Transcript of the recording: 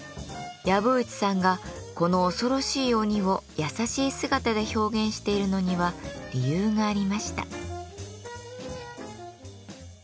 籔内さんがこの恐ろしい鬼を優しい姿で表現しているのには理由がありました。